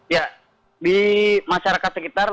ya di masyarakat sekitar